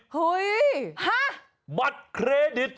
เฮ้ยฮะบัตรเครดิต